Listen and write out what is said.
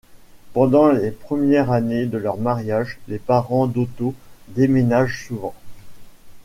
Pendant les premières années de leur mariage, les parents d’Otto déménagent souvent.